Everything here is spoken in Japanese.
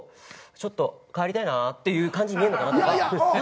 ちょっと帰りたいなっていう感じに見えるのかなとか。